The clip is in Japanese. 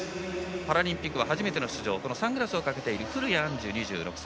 パラリンピックは初めての出場サングラスをかけているのが古屋杏樹、２６歳。